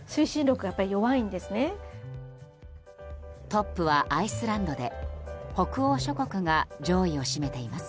トップはアイスランドで北欧諸国が上位を占めています。